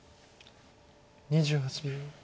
２８秒。